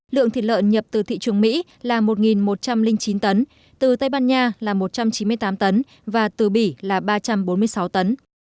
lượng thịt lợn nhập từ thị trường mỹ là một một trăm linh chín tấn từ tây ban nha là một trăm chín mươi tám tấn và từ bỉ là ba trăm bốn mươi sáu tấn